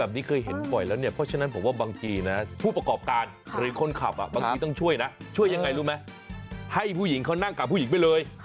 เคยเห็นบ่อยแล้วเนี่ยเพราะฉะนั้นผมว่าบางทีนะผู้ประกอบการหรือคนขับบางทีต้องช่วยนะช่วยยังไงรู้ไหมให้ผู้หญิงเขานั่งกับผู้หญิงไปเลย